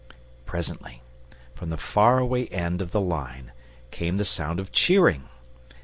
Presently from the far away end of the line came the sound of cheering.